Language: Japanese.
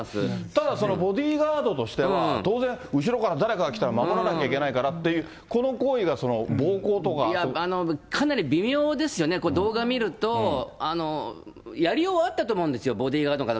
ただ、そのボディーガードとしては当然、後ろから誰かが来たら守らなきゃいけないから、この行為が暴行といや、かなり微妙ですよね、これ動画見ると、やりようあったと思うんですよ、ボディーガードの方。